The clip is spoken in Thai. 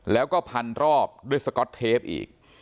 แล้วก็พันรอบด้วยสก๊อตเทปอีก